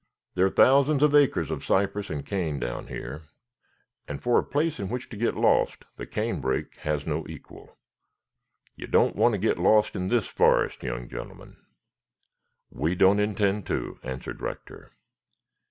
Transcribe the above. There are thousands of acres of cypress and cane down here, and for a place in which to get lost the canebrake has no equal. You don't want to get lost in this forest, young gentlemen." "We don't intend to," answered Rector.